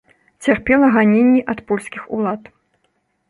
Цярпела ганенні ад польскіх улад.